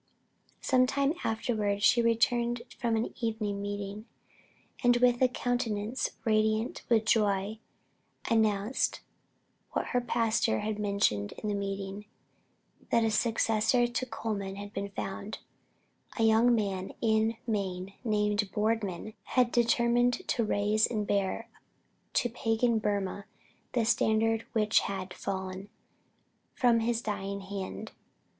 Some time afterward she returned from an evening meeting, and with a countenance radiant with joy, announced what her pastor had mentioned in the meeting that a successor to Colman had been found; a young man in Maine named Boardman had determined to raise and bear to pagan Burmah the standard which had fallen from his dying hand.